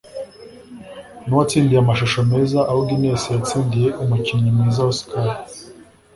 Nuwatsindiye Amashusho meza aho Guinness yatsindiye umukinnyi mwiza Oscar